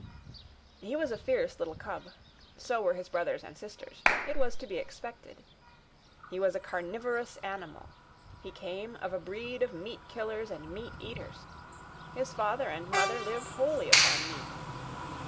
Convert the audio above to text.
He was a fierce little cub. So were his brothers and sisters. It was to be expected. He was a carnivorous animal. He came of a breed of meat killers and meat eaters. His father and mother lived wholly upon meat.